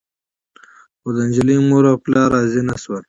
خو د نجلۍ مور او پلار راضي نه شول.